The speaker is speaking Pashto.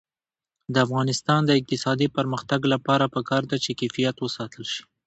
د افغانستان د اقتصادي پرمختګ لپاره پکار ده چې کیفیت وساتل شي.